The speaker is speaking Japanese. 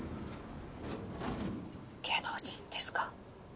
芸能人ですか？